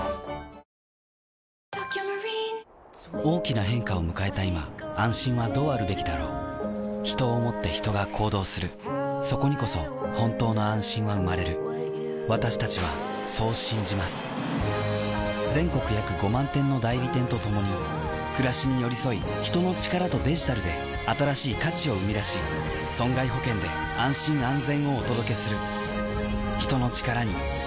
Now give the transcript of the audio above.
大きな変化を迎えた今安心はどうあるべきだろう人を思って人が行動するそこにこそ本当の安心は生まれる私たちはそう信じます全国約５万店の代理店とともに暮らしに寄り添い人の力とデジタルで新しい価値を生み出し損害保険で安心・安全をお届けする人の力に。